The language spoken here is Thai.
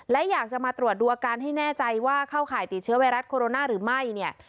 และอยากจะมาตรวจดูอาการให้แน่ใจว่าเข้าข่ายติดเชื้อไวรัสโคโรนาหรือไม่เนี่ย